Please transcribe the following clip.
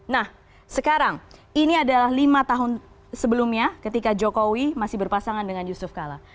nah sekarang ini adalah lima tahun sebelumnya ketika jokowi masih berpasangan dengan yusuf kala